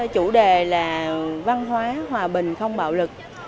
chủ đề là văn hóa hòa bình không bạo lực